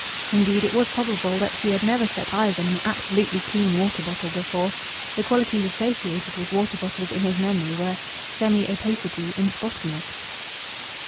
Indeed, it was probable that he had never set eyes on an absolutely clean water bottle before; the qualities associated with water bottles in his memory were semi opacity and spottiness.